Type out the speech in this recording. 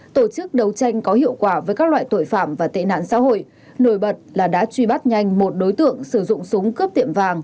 tổ chức đấu tranh có hiệu quả với các loại tội phạm và tệ nạn xã hội nổi bật là đã truy bắt nhanh một đối tượng sử dụng súng cướp tiệm vàng